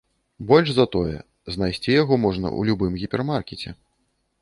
Больш за тое, знайсці яго можна ў любым гіпермаркеце.